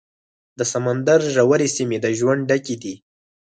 د سمندر ژورې سیمې د ژوند ډکې دي.